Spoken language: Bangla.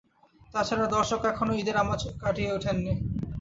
তা ছাড়া দর্শকও এখনো ঈদের আমেজ কাটিয়ে ওঠেননি।